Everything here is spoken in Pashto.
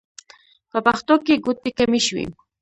په پښتنو کې ګوتې کمې شوې.